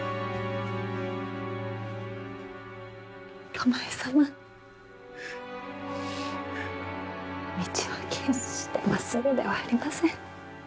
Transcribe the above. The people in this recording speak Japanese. お前様、道は決してまっすぐではありません。